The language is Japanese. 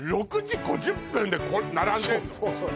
６時５０分で並んでんの！？